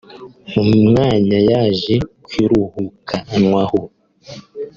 umwanya yaje kwirukanwaho